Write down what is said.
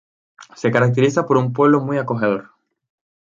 Se caracteriza por un pueblo muy acogedor.